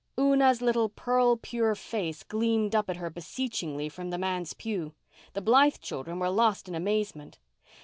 Una's little pearl pure face gleamed up at her beseechingly from the manse pew. The Blythe children were lost in amazement.